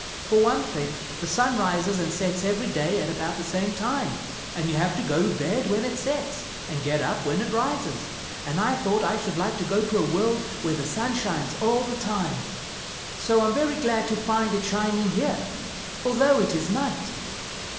" For one thing, the sun rises and sets every day at about the same time, and you have to go to bed when it sets and get up when it rises; and I thought I should like to go to a world where the sun shines all the time. 68 THE BOY WHO WENT OUT OF THE WORLD So I'm very glad to find it shining here, although it is night."